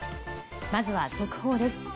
まずは速報です。